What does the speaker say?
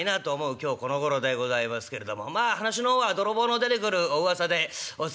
今日このごろでございますけれどもまあ噺の方は泥棒の出てくるおうわさでおつきあいを願いたいなと思います。